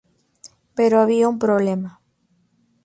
Pero había un problema.